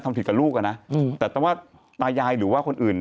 ผิดกับลูกอ่ะนะแต่ต้องว่าตายายหรือว่าคนอื่น